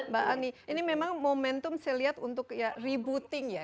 mbak ani ini memang momentum saya lihat untuk ya rebooting ya